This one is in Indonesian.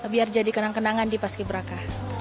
biar jadi kenang kenangan di paski beraka